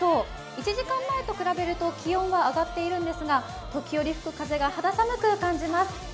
１時間前と比べると気温は上がっているんですが、時折吹く風が肌寒く感じます。